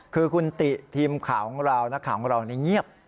คือคุณติทีมข่าวของเรานักข่าวของเรานี่เงียบ